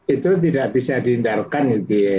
itu tidak bisa dihindarkan gitu ya